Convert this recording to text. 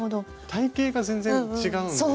体型が全然違うんでね。